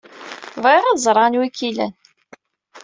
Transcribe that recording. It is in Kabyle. Bɣiɣ ad ẓreɣ anwa ay k-ilan.